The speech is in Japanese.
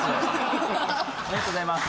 ありがとうございます。